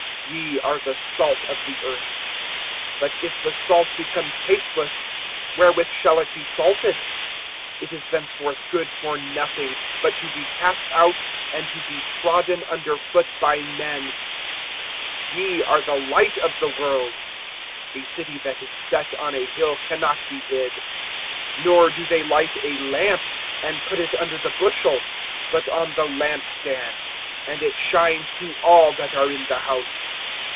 (13)Ye are the salt of the earth; but if the salt become tasteless, wherewith shall it be salted? It is thenceforth good for nothing, but to be cast out, and to be trodden under foot by men. (14)Ye are the light of the world. A city that is set on a hill can not be hid. (15)Nor do they light a lamp and put it under the bushel, but on the lamp stand; and it shines to all that are in the house.